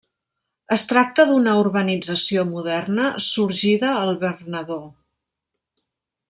Es tracta d'una urbanització moderna sorgida al Bernadó.